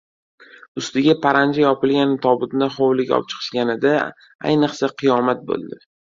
Ustiga paranji yopilgan tobutni hovliga opchiqishganida, ayniqsa qiyomat bo‘ldi.